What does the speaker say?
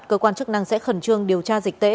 cơ quan chức năng sẽ khẩn trương điều tra dịch tễ